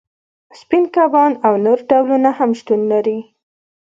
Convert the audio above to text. سپین کبان او نور ډولونه هم شتون لري